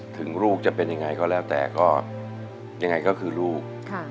ถึงลูกจะเป็นยังไงก็แล้วแต่ก็ยังไงก็คือลูก